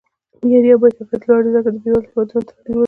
معیاري او با کیفته لوړې زده کړې د بیوزله هیوادونو تقدیر بدلوي